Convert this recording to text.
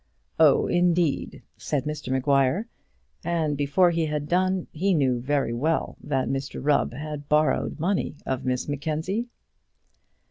"Oh, indeed," said Mr Maguire; and before he had done, he knew very well that Mr Rubb had borrowed money of Miss Mackenzie.